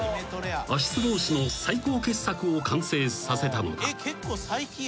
足つぼ押しの最高傑作を完成させたのだ］